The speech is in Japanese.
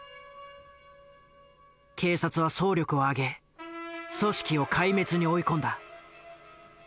警察は総力を挙げ組織を壊滅に追い込んだ。